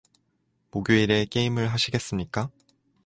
목요일에 게임을 하시겠습니까?